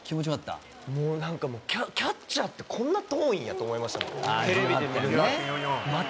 「もうなんかキャッチャーってこんな遠いんやって思いましたもんテレビで見るよりも。